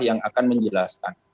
yang akan menjelaskan